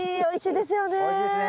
おいしいですね。